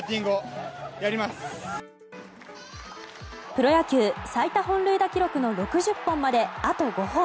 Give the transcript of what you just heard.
プロ野球最多本塁打記録の６０本まで、あと５本。